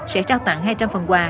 sẽ trao tặng hai trăm linh phần quà